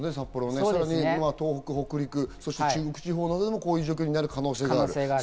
そして東北、北陸、中国地方などでもこういう状況になる可能性がある。